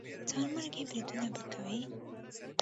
ځانمرګي بریدونه به کوي.